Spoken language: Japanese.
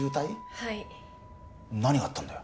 はい何があったんだよ？